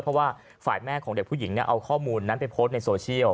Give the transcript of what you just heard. เพราะว่าฝ่ายแม่ของเด็กผู้หญิงเอาข้อมูลนั้นไปโพสต์ในโซเชียล